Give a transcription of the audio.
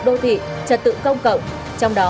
đô thị trật tự công cộng trong đó